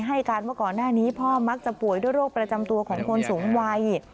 ให้การว่าก่อนหน้านี้พ่อมักจะป่วยด้วยโรคประจำตัวของคนสูงวัย